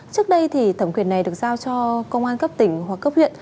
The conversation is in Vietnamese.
trước đây thì thẩm quyền này được giao cho công an cấp tỉnh hoặc cấp huyện